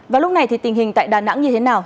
và lúc này thì tình hình tại đà nẵng như thế nào